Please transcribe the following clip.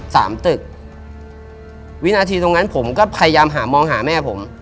ตึกวินาทีตรงนั้นผมก็พยายามหามองหาแม่ผม